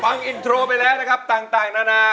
ฟังอินโทรไปแล้วนะครับต่างนานา